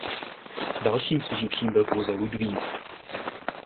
Dalším přeživším byl pouze Ludvík.